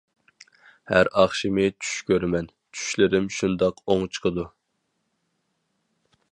ھەر ئاخشىمى چۈش كۆرىمەن، چۈشلىرىم شۇنداق ئوڭ چىقىدۇ.